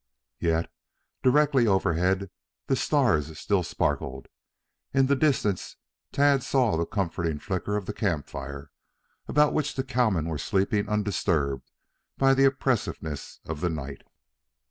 Yet, directly overhead the stars still sparkled. In the distance Tad saw the comforting flicker of the camp fire, about which the cowmen were sleeping undisturbed by the oppressiveness of the night.